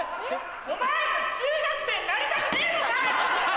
お前ら中学生になりたくねえのか！